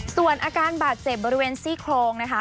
ส่วนอาการบาดเจ็บบริเวณซี่โครงนะคะ